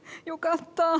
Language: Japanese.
よかった！